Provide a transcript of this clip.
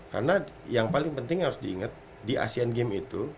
karena yang paling penting harus diingat di asean games itu